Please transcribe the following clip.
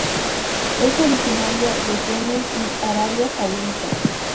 Es originaria de Yemen y Arabia Saudita.